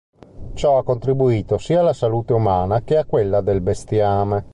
Ciò ha contribuito sia alla salute umana che a quella del bestiame.